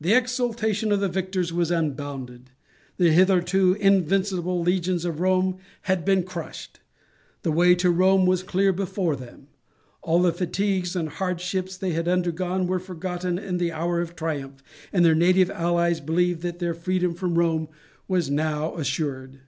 The exultation of the victors was unbounded. The hitherto invincible legions of Rome had been crushed. The way to Rome was clear before them. All the fatigues and hardships they had undergone were forgotten in the hour of triumph, and their native allies believed that their freedom from Rome was now assured.